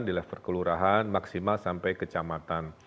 di level kelurahan maksimal sampai kecamatan